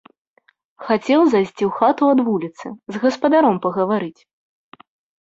Хацеў зайсці ў хату ад вуліцы з гаспадаром пагаварыць.